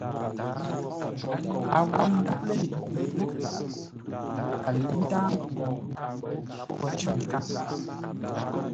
A wô ndáʼ lə́ ndu ye ńgó a lə̌i ntáa nkwʉ́, pə́ wo cər nkâʼ.